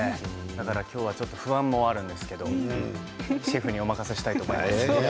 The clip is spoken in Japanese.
だから今日はちょっと不安もあるんですけどシェフにお任せしたいと思います。